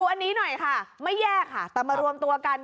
อันนี้หน่อยค่ะไม่แยกค่ะแต่มารวมตัวกัน